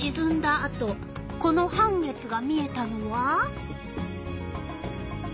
あとこの半月が見えたのは。